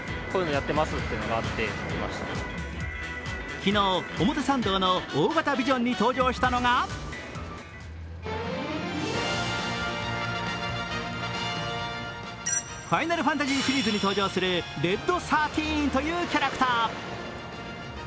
昨日、表参道の大型ビジョンに登場したのが、「ファイナルファンタジー」シリーズに登場するレッドⅩⅢというキャラクター。